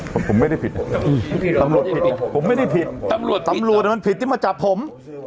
ผมไม่ได้ผิดตำรวจผิดมาจับผม